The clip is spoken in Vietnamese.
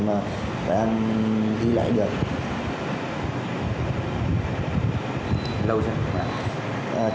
mà phải em ghi lại được